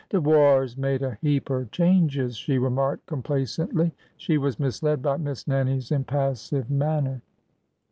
De war 's made a heap er changes," she remarked complacently. She was misled by Miss Nannie's impas sive manner.